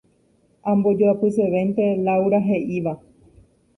Ambojoapysevénte Laura he'íva.